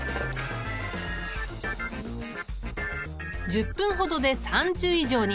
１０分ほどで３０以上に！